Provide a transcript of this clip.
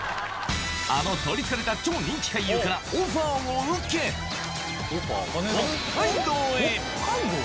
あの取りつかれた超人気俳優から、オファーを受け、北海道へ。